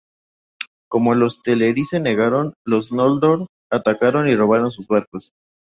Como los Teleri se negaron, los Noldor atacaron y robaron sus barcos.